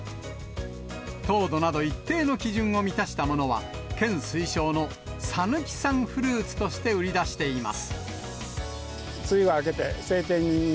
糖度など一定の基準を満たしたものは、県推奨のさぬき讃フルーツとして売り出しています。